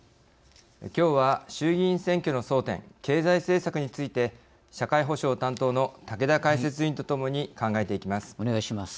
きょうは衆議院選挙の争点経済政策について社会保障担当の竹田解説委員とともに考えていきます。